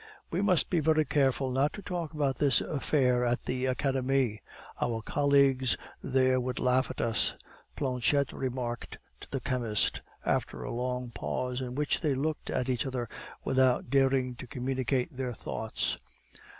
"We must be very careful not to talk about this affair at the Academie; our colleagues there would laugh at us," Planchette remarked to the chemist, after a long pause, in which they looked at each other without daring to communicate their thoughts.